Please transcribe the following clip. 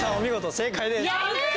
正解です！